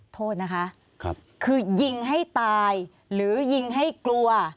โทษนะคะคือยิงให้ตายหรือยิงให้กลัว